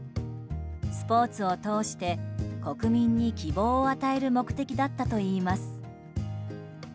スポーツを通して国民に希望を与える目的だったといいます。